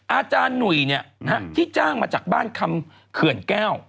อาจารย์หนุ่ยที่จ้างมาจากบ้านคำเขื่อนแก้ว